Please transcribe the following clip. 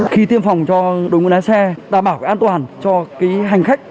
khi tiêm phòng cho đội ngũ lái xe đảm bảo an toàn cho hành khách